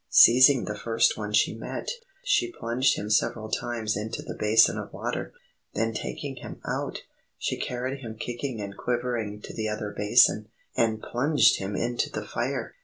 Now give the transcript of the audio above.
Seizing the first one she met, she plunged him several times into the basin of water. Then taking him out, she carried him kicking and quivering to the other basin, and plunged him into the fire.